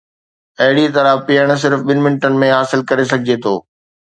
اهڙيء طرح پيئڻ صرف ٻن منٽن ۾ حاصل ڪري سگهجي ٿو.